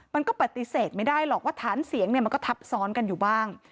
มันก็ปฏิเสธไม่ได้หรอกว่าฐานเสียงมันก็ทับซ้อนกันอยู่บ้าง